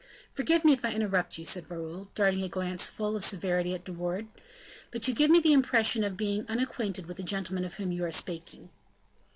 "Forgive me if I interrupt you," said Raoul, darting a glance full of severity at De Wardes; "but you give me the impression of being unacquainted with the gentleman of whom you are speaking."